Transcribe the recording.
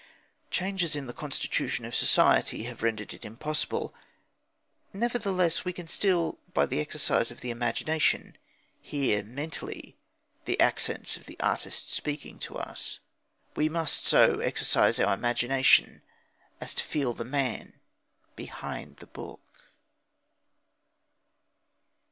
Changes in the constitution of society have rendered it impossible. Nevertheless, we can still, by the exercise of the imagination, hear mentally the accents of the artist speaking to us. We must so exercise our imagination as to feel the man behind the book.